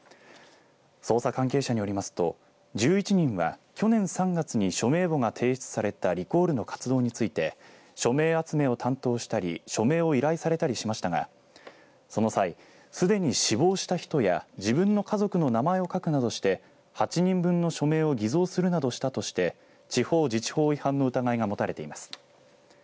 捜査関係者によりますと１１人は去年３月に署名簿が提出されたリコールの活動について署名集めを担当したり署名を依頼されたりしましたがその際、すでに死亡した人や自分の家族の名前を書くなどして８人分の署名を偽造するなどしたとして地方自治法違反の疑いが持たれています。